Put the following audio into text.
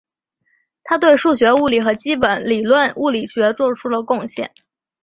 他对数学物理和基本理论物理学做出了贡献。